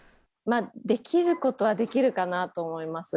できることはできるかなと思います。